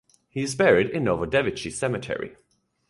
He is buried in Novodevichy Cemetery.